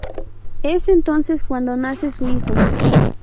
Es entonces cuando nace su hijo.